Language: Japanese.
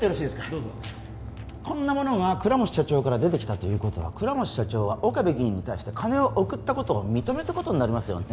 どうぞこんなものが倉持社長から出てきたということは倉持社長は岡部議員に対して金を贈ったことを認めたことになりますよね？